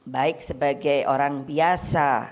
baik sebagai orang besar